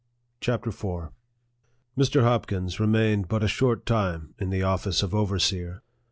CHAPTER IV. MR. HOPKINS remained but a short time in the office of overseer.